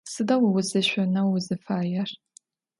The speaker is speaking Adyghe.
Sıda vo vuzeşsoneu vuzıfaêr?